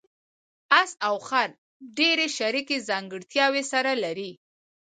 اس او خر ډېرې شریکې ځانګړتیاوې سره لري.